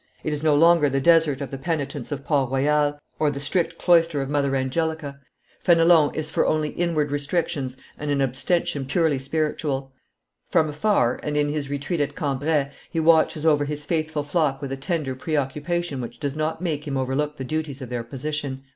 It is no longer the desert of the penitents of PortRoyal, or the strict cloister of Mother Angelica; Fenelon is for only inward restrictions and an abstention purely spiritual; from afar and in his retreat at Cambrai, he watches over his faithful flock with a tender pre occupation which does not make him overlook the duties of their position.